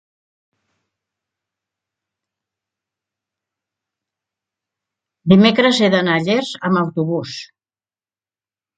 dimecres he d'anar a Llers amb autobús.